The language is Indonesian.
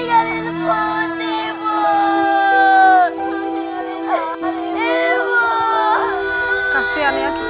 jangan tinggalkan usual putih ibu